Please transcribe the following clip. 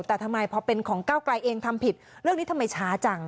แต่ทำไมพอเป็นของก้าวไกลเองทำผิดเรื่องนี้ทำไมช้าจัง